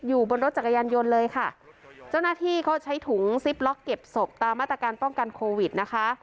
อยู่บนรถจักรยานยนต์เลยค่ะเจ้าหน้าที่ก็ใช้ถุงซิปล็อกเก็บศพตามมาตรการป้องกันโควิดนะคะ